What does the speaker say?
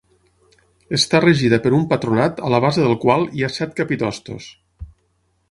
Està regida per un patronat a la base del qual hi ha set capitostos.